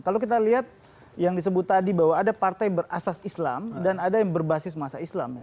kalau kita lihat yang disebut tadi bahwa ada partai berasas islam dan ada yang berbasis masa islam